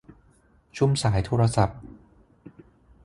ชุมสายโทรศัพท์